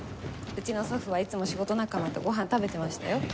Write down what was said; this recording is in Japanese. うちの祖父はいつも仕事仲間とご飯食べてましたよ。